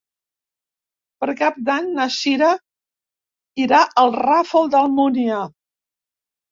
Per Cap d'Any na Cira irà al Ràfol d'Almúnia.